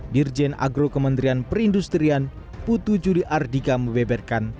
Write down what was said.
dirjen agro kementerian perindustrian putu juri ardika mebeberkan